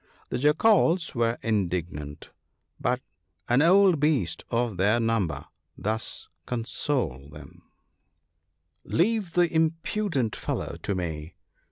The Jackals were indignant, but an old beast of their number thus consoled them :—* Leave the impudent fellow to me.